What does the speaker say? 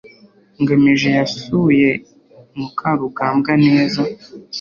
ngamije yasuye mukarugambwa neza